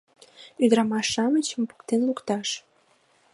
Ӱдырамаш-шамычым поктен лукташ.